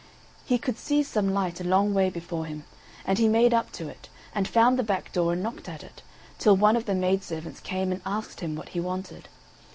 He could see some light a long way before him, and he made up to it, and found the back door and knocked at it, till one of the maid servants came and asked him what he wanted.